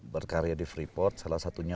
berkarya di freeport salah satunya